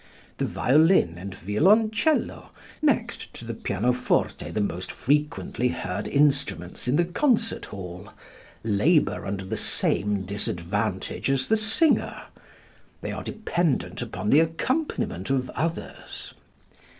The violin and violoncello, next to the pianoforte the most frequently heard instruments in the concert hall, labor under the same disadvantage as the singer. They are dependent upon the accompaniment of others.